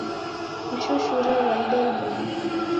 Mshushure ghwaida idime.